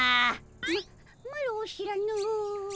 ママロ知らぬ。